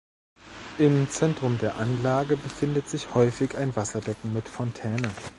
Im Zentrum der Anlage befindet sich häufig ein Wasserbecken mit Fontäne.